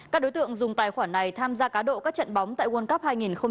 các đối tượng dùng tài khoản này tham gia cá độ các trận bóng tại world cup hai nghìn hai mươi